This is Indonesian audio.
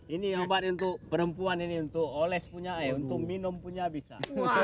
ini obat untuk perempuan ini untuk oles punya air untuk minum punya bisa